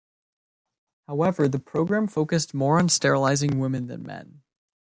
However, the program focused more on sterilizing women than men.